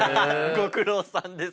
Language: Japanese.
「ご苦労さんです」。